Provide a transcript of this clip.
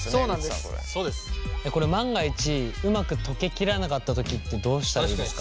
これ万が一うまく溶けきらなかった時ってどうしたらいいですか？